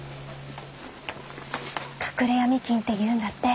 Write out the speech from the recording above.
隠れ闇金っていうんだって。